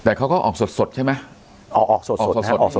แต่เขาก็ออกสดใช่ไหม